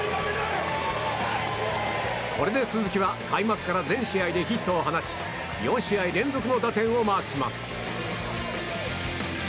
これで鈴木は開幕から全試合でヒットを放ち４試合連続の打点をマークします。